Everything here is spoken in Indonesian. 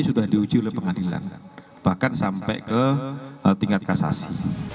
sudah diuji oleh pengadilan bahkan sampai ke tingkat kasasi